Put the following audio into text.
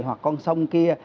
hoặc con sông kia